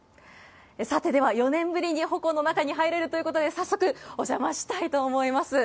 さて、では、４年ぶりにほこの中に入れるということで、早速お邪魔したいと思います。